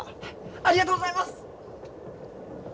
ありがとうございます。